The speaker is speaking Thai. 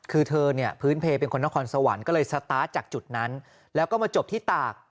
คือเธอเนี่ยพื้นเพลเป็นคนนครสวรรค์ก็เลยสตาร์ทจากจุดนั้นแล้วก็มาจบที่ตาก